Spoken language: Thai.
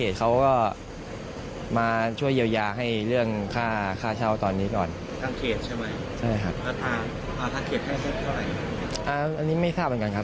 ถ้าทางตัวพี่เขายังไม่ได้ติดต่อมา